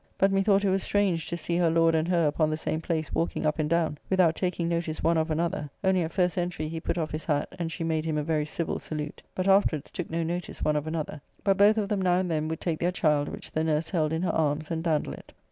But methought it was strange to see her Lord and her upon the same place walking up and down without taking notice one of another, only at first entry he put off his hat, and she made him a very civil salute, but afterwards took no notice one of another; but both of them now and then would take their child, which the nurse held in her armes, and dandle it.